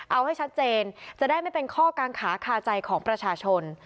เอาให้ชัดเจนจะได้ไม่เป็นข้อกางขาคาใจของประชาชน